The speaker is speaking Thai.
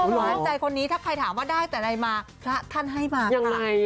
หวานใจคนนี้ถ้าใครถามว่าได้แต่อะไรมาพระท่านให้มาค่ะ